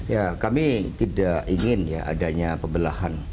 ya kami tidak ingin ya adanya pembelahan